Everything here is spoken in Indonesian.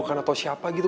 karena tau siapa gitu